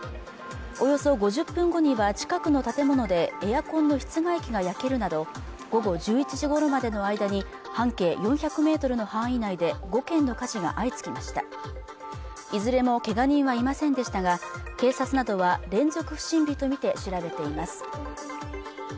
およそ５０分後には近くの建物でエアコンの室外機が焼けるなど午後１１時頃までの間に半径４００ｍの範囲内で５件の火事が相次ぎましたいずれもけが人はいませんでしたが警察などは連続不審火とみて調べています